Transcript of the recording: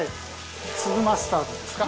粒マスタードですか。